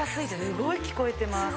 すごい聞こえてます。